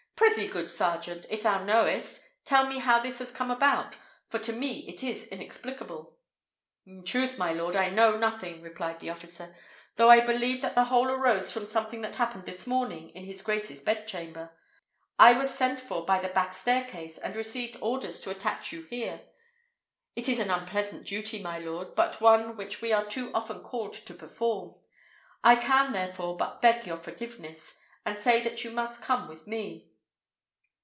Pr'ythee, good sergeant, if thou knowest, tell me how this has come about, for to me it is inexplicable." "In truth, my lord, I Know nothing," replied the officer, "though I believe that the whole arose from something that happened this morning in his grace's bed chamber. I was sent for by the back staircase, and received orders to attach you here. It is an unpleasant duty, my lord, but one which we are too often called to perform: I can, therefore, but beg your forgiveness, and say that you must come with me."